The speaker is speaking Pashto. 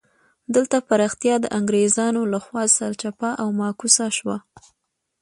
دلته پراختیا د انګرېزانو له خوا سرچپه او معکوسه شوه.